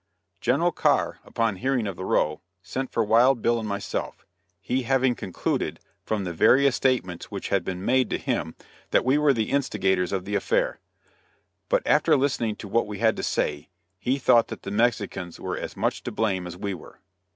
General Carr, upon hearing of the row, sent for Wild Bill and myself, he having concluded, from the various statements which had been made to him, that we were the instigators of the affair. But after listening to what we had to say, he thought that the Mexicans were as much to blame as we were.